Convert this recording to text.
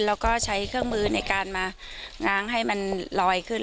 แล้วก็ใช้เครื่องมือในการมาง้างให้มันลอยขึ้น